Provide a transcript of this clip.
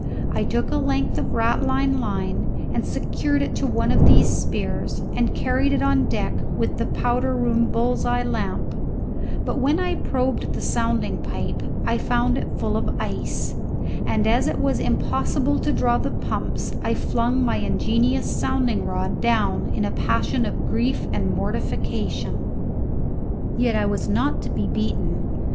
I took a length of ratline line and secured it to one of these spears, and carried it on deck with the powder room bull's eye lamp; but when I probed the sounding pipe I found it full of ice, and as it was impossible to draw the pumps, I flung my ingenious sounding rod down in a passion of grief and mortification. Yet was I not to be beaten.